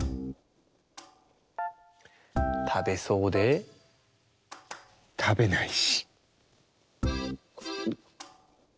たべそうでたべないし。